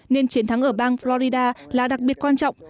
nên chiến thắng ở bang florida là đặc biệt quan trọng